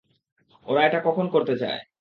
ওরা এটা কখন করতে চায়?